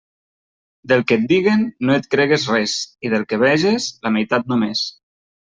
Del que et diguen no et cregues res, i del que veges, la meitat només.